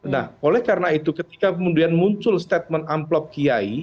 nah oleh karena itu ketika kemudian muncul statement amplop kiai